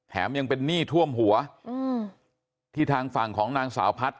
ยังเป็นหนี้ท่วมหัวอืมที่ทางฝั่งของนางสาวพัฒน